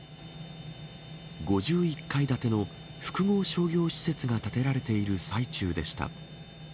５１階建ての複合商業施設が建てられている最中でした。